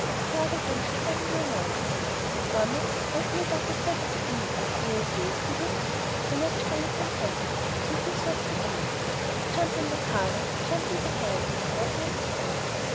The other day she suddenly announced, "Mamma, I have made up a sort of a im. May I say it to you?" I naturally consented, and this was the IM. Jump in the parlor, Jump in the hall, God made us all!